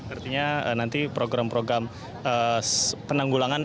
artinya nanti program program penanggulangan